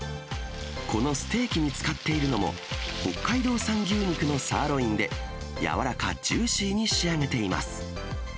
このステーキに使っているのも、北海道産牛肉のサーロインで、軟らかジューシーに仕上げています。